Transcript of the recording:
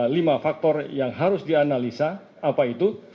lima faktor yang harus dianalisa apa itu